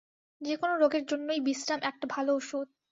যে-কোনো রোগের জন্যই বিশ্রাম একটা ভাল ওষুধ।